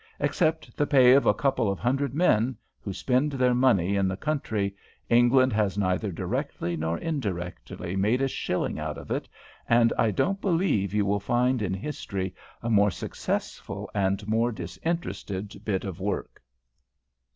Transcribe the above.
Except the pay of a couple of hundred men, who spend their money in the country, England has neither directly nor indirectly made a shilling out of it, and I don't believe you will find in history a more successful and more disinterested bit of work."